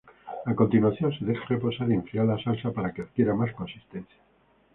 A continuación, se deja reposar y enfriar la salsa para que adquiera más consistencia.